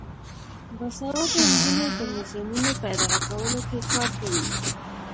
باسواده نجونې د موزیمونو په اداره کولو کې کار کوي.